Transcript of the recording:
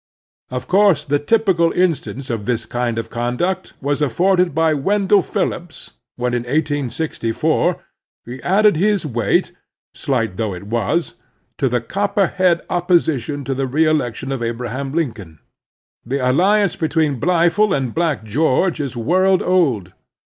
Of course the typical instance of this kind of conduct was afforded by Wendell Phillips when in 1864 he added his weight, slight though it was, to the copperhead opposition to the reelection of Abra ham Lincoln. The alliance between Blifil and Black George is world old.